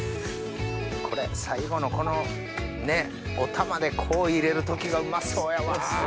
これ最後のこのお玉でこう入れる時がうまそうやわ。